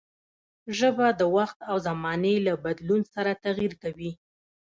ژبه د وخت او زمانې له بدلون سره تغير کوي.